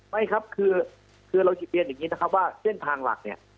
ไม่ครับคือเราจะเรียนอย่างนี้นะครับว่าเส้นทางหลักเนี่ย